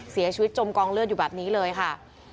เสียชีวิตจมกองเลือดอยู่แบบนี้เลยค่ะ